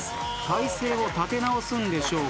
体勢を立て直すんでしょうか。